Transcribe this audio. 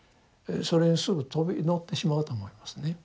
それにすぐ飛び乗ってしまうと思いますね。